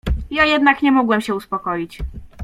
"Ja jednak nie mogłem się uspokoić."